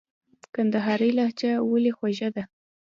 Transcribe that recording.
کندهارۍ لهجه ولي خوږه ده ؟